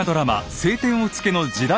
「青天を衝け」の時代